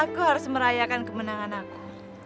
aku harus merayakan kemenangan aku